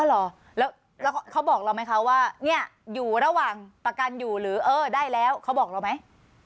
เหรอแล้วเขาบอกเราไหมคะว่าเนี่ยอยู่ระหว่างประกันอยู่หรือเออได้แล้วเขาบอกเราไหม